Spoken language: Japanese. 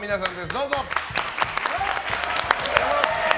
どうぞ！